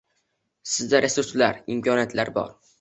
Sizda resurslar, imkoniyatlar bor